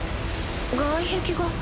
外壁が。